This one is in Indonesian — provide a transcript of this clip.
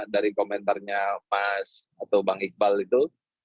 dari komentarnya mas atau bang iqbal itu